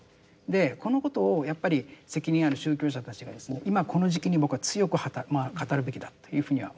でこのことをやっぱり責任ある宗教者たちが今この時期に僕は強く語るべきだというふうには思っているんですけどね。